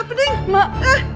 dia bergerak dia bergerak